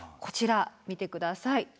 こちら見て下さい。